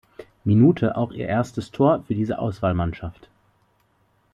Minute auch ihr erstes Tor für diese Auswahlmannschaft.